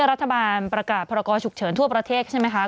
รัฐบาลประกาศพรกรฉุกเฉินทั่วประเทศใช่ไหมคะ